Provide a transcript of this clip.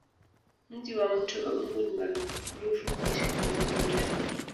Mji wa mto wa mbu ni maarufu kwa shughuli za Kiutalii